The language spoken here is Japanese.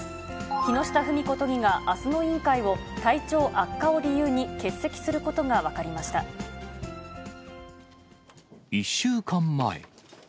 木下富美子都議があすの委員会を、体調悪化を理由に欠席することが１週間前。